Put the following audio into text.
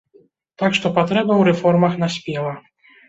Так што патрэба ў рэформах наспела.